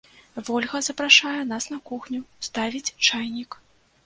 Вольга запрашае нас на кухню, ставіць чайнік.